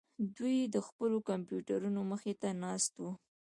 دوی د خپلو کمپیوټرونو مخې ته ناست وو